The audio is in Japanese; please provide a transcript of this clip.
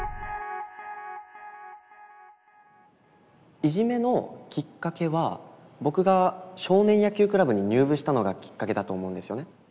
いじめのキッカケは僕が少年野球クラブに入部したのがキッカケだと思うんですよね。